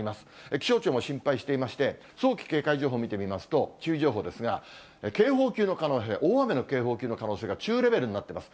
気象庁も心配していまして、早期警戒情報見てみますと、注意情報ですが、警報級の可能性、大雨の警報級の可能性が中レベルになってます。